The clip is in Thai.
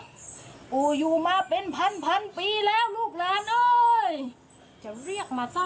ถึงเวลาปูแล้วมีปูสีสุดทูปูอันนั้นแต่นักพระราช